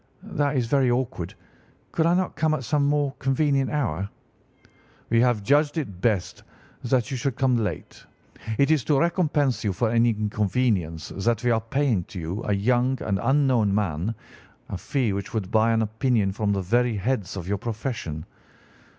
"'That is very awkward. Could I not come at some more convenient hour?' "'We have judged it best that you should come late. It is to recompense you for any inconvenience that we are paying to you, a young and unknown man, a fee which would buy an opinion from the very heads of your profession.